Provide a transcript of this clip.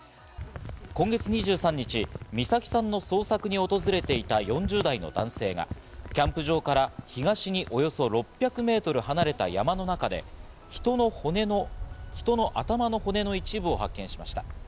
今月２３日、美咲さんの捜索に訪れていた４０代の男性がキャンプ場から東へおよそ６００メートル離れた山の中で人の頭の骨の一部を発見しました。